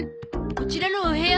こちらのお部屋？